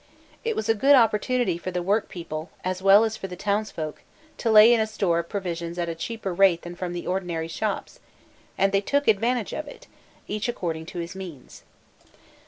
It was a good opportunity for the workpeople, as well as for the townsfolk, to lay in a store of provisions at a cheaper rate than from the ordinary shops; and they took advantage of it, each according to his means.